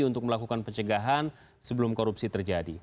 untuk melakukan pencegahan sebelum korupsi terjadi